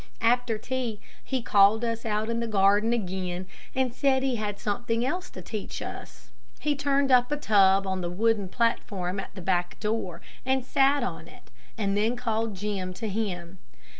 After tea, he called us out in the garden again, and said he had something else to teach us. He turned up a tub on the wooden platform at the back door, and sat on it, and then called Jim to him.